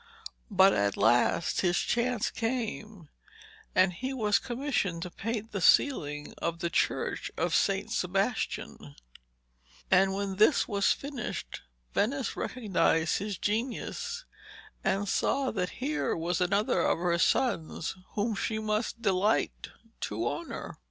But at last his chance came, and he was commissioned to paint the ceiling of the church of St. Sebastian; and when this was finished Venice recognised his genius, and saw that here was another of her sons whom she must delight to honour.